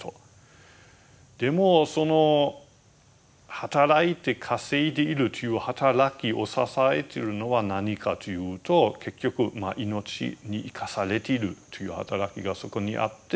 でもその働いて稼いでいるという働きを支えているのは何かというと結局命に生かされているという働きがそこにあって。